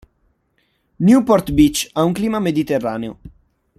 Newport Beach ha un clima mediterraneo.